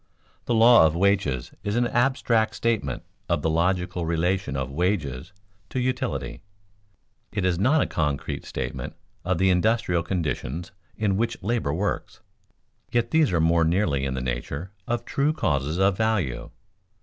The law of wages is an abstract statement of the logical relation of wages to utility; it is not a concrete statement of the industrial conditions in which labor works, yet these are more nearly in the nature of true causes of value.